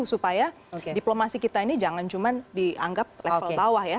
supaya diplomasi kita ini jangan cuma dianggap level bawah ya